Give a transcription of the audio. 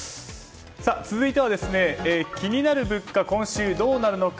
続いては、気になる物価今週どうなるのか。